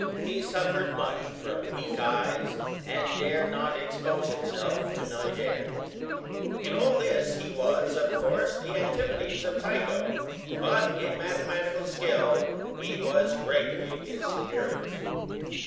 He suffered much from weak eyes, and dare not expose himself to night air." In all this he was, of course, the antipodes of Tycho, but in mathematical skill he was greatly his superior.